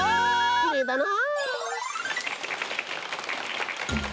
きれいだな。